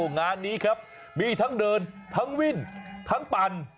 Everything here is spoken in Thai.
งานนี้ครับมีทั้งเดินทั้งวิ่นทั้งปั่น